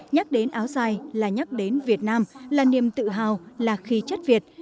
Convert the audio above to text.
nhắc đến áo dài là nhắc đến việt nam là niềm tự hào là khi chất việt